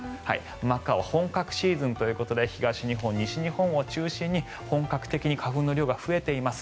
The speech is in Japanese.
真っ赤は本格シーズンということで東日本、西日本を中心に本格的に花粉の量が増えています。